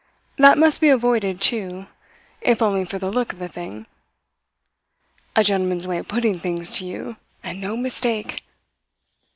That must be avoided, too if only for the look of the thing.' A gentleman's way of putting things to you and no mistake!